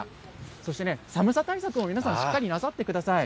そして、寒さ対策も皆さん、しっかりなさってください。